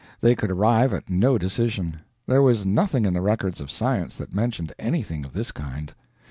They could arrive at no decision. There was nothing in the records of science that mentioned anything of this kind.